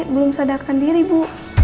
belum sadarkan diri bu